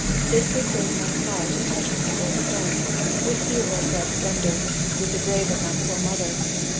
This would bring my heart in touch with my old home, with dear old Reb Sender, with the grave of my poor mother.